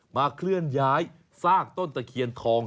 เคลื่อนย้ายซากต้นตะเคียนทอง